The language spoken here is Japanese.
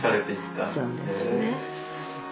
うんそうですね。